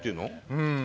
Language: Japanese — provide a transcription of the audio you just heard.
うん。